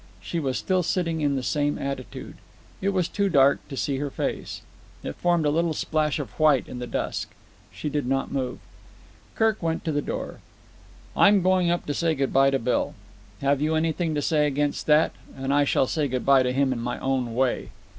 She was still sitting in the same attitude. It was too dark to see her face. It formed a little splash of white in the dusk. She did not move. Kirk went to the door. "I'm going up to say good bye to Bill. Have you anything to say against that? And I shall say good bye to him in my own way."